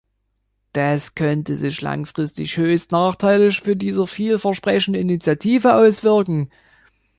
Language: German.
Das könnte sich langfristig höchst nachteilig für diese viel versprechende Initiative auswirken.